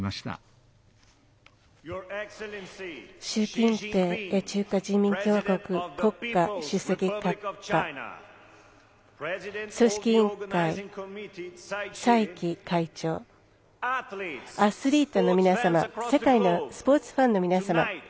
習近平中華人民共和国国家主席閣下組織委員会、蔡奇会長アスリートの皆様世界中のスポーツファンの皆様